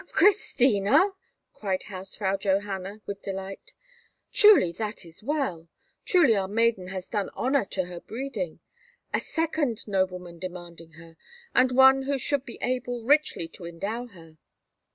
"For Christina!" cried Hausfrau Johanna with delight; "truly that is well. Truly our maiden has done honour to her breeding. A second nobleman demanding her—and one who should be able richly to endow her!"